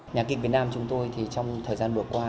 nhà kịch việt nam chúng tôi thì trong thời gian vừa qua